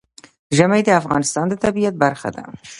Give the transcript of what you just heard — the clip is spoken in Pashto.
ژمی د افغانستان د طبیعت برخه ده.